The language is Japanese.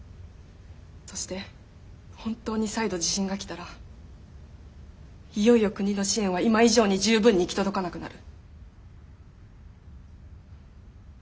そして本当に再度地震が来たらいよいよ国の支援は今以上に十分に行き届かなくなる。